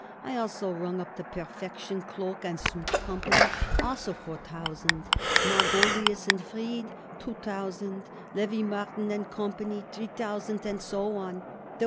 I also rung up the Perfection Cloak and Suit Company also four thousand; Margolius & Fried two thousand; Levy, Martin & Co. three thousand, and so on.